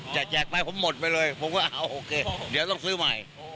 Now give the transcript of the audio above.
แจกไปผมหมดไปเลยผมก็เอาโอเคเดี๋ยวต้องซื้อใหม่